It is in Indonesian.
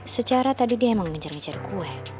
secara tadu dia emang ngejar ngejar gue